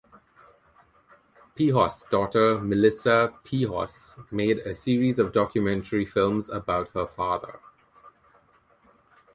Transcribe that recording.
Pihos' daughter Melissa Pihos made a series of documentary films about her father.